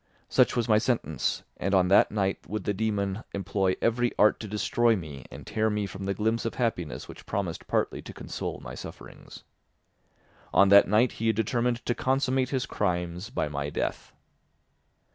_" Such was my sentence, and on that night would the dæmon employ every art to destroy me and tear me from the glimpse of happiness which promised partly to console my sufferings. On that night he had determined to consummate his crimes by my death.